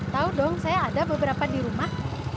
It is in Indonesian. tau dong saya ada beberapa di rumah